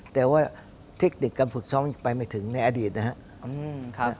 แต่ว่าเทคนิคการฝึกซ้อมยังไปไม่ถึงในอดีตนะครับ